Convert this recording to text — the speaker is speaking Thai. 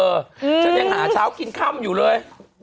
ฉันยังหาเช้ากินค่ำอยู่เลย